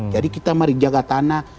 jadi kita mari jaga tanah